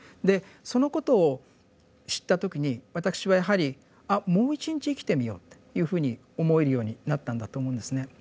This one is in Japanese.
でそのことを知った時に私はやはり「あもう一日生きてみよう」というふうに思えるようになったんだと思うんですね。